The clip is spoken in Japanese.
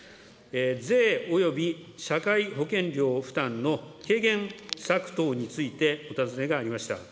税および社会保険料負担の軽減策等についてお尋ねがありました。